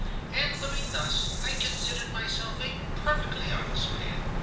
"And living thus, I considered myself a perfectly honest man.